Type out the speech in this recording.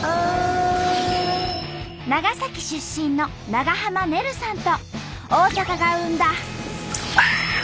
長崎出身の長濱ねるさんと大阪が生んだ。